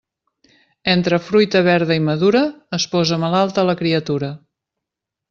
Entre fruita verda i madura, es posa malalta la criatura.